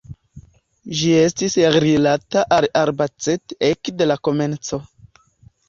Ĝi estis rilata al Albacete ekde la komenco.